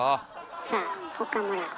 さあ岡村。